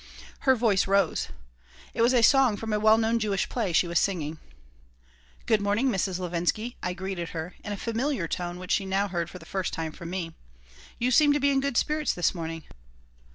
Her voice rose. It was a song from a well known Jewish play she was singing "Good mornings Mrs. Levinsky," I greeted her, in a familiar tone which she now heard for the first time from me. "You seem to be in good spirits this morning."